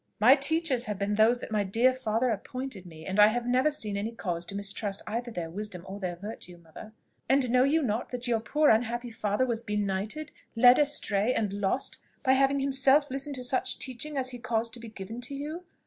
"My teachers have been those that my dear father appointed me, and I have never seen any cause to mistrust either their wisdom or their virtue, mother." "And know you not that your poor unhappy father was benighted, led astray, and lost by having himself listened to such teaching as he caused to be given to you?